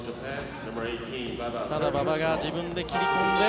ただ、馬場が自分で切り込んで。